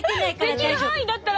できる範囲だったら。